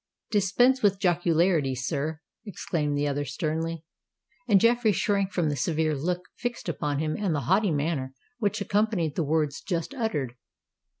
"Dispense with jocularity, sir," exclaimed the other sternly; and Jeffreys shrank from the severe look fixed upon him and the haughty manner which accompanied the words just uttered.